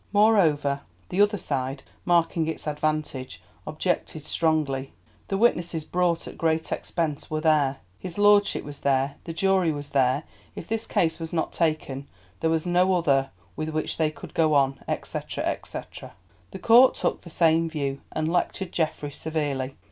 Moreover the other side, marking its advantage, objected strongly. The witnesses, brought at great expense, were there; his Lordship was there, the jury was there; if this case was not taken there was no other with which they could go on, &c., &c. The court took the same view, and lectured Geoffrey severely.